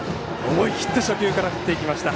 思い切って初球から振っていきました。